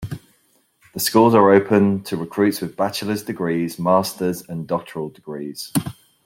The schools are open to recruits with bachelor's degrees, master's, and doctoral degrees.